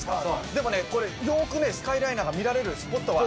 でもねこれよくねスカイライナーが見られるスポットが。